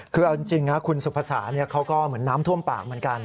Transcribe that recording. คือเอาจริงนะคุณสุภาษาเขาก็เหมือนน้ำท่วมปากเหมือนกัน